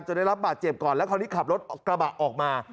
ได้รับบาดเจ็บก่อนแล้วคราวนี้ขับรถกระบะออกมา